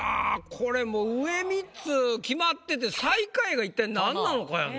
これもう上３つ決まってて最下位が一体なんなのかやんな。